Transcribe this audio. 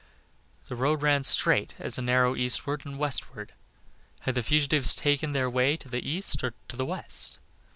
The road ran straight as an arrow eastward and westward had the fugitives taken their way to the east or to the west?